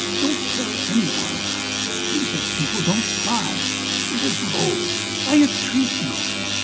. don't tell anyone. ... Decent people don't spy .... It's low. ... I entreat you.'